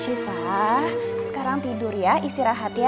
syifah sekarang tidur ya istirahat ya